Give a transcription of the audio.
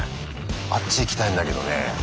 あっち行きたいんだけどね。